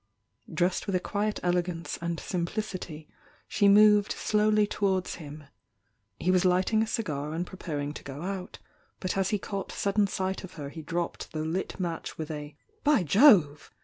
Dressed with a quiet elegance and simplicity, she moved slowly towards hfOj he was lighting a cigar and preparing to go out, but as he c^ght sudden sight of her he dropped the lit match with a "By Jove!"